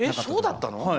そうだったの？